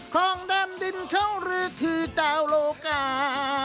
ของด้านดินเขาหรือคือเจ้าโลกา